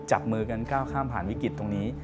จับมือกันแปลงกันเก้าข้ามผ่านวิกฤติตรุ่งนี้